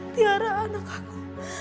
tiara anak aku